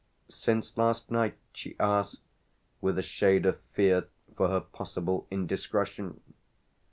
"Since last night?" she asked with a shade of fear for her possible indiscretion.